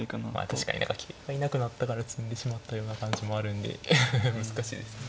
確かに何か桂がいなくなったから詰んでしまったような感じもあるんで難しいですね。